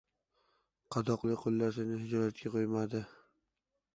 • Qadoqli qo‘llar seni hijolatga qo‘ymaydi.